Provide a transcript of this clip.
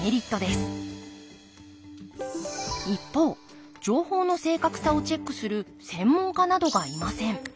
一方情報の正確さをチェックする専門家などがいません。